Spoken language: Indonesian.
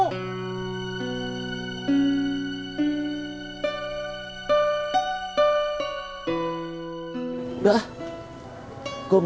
sebut dengan mas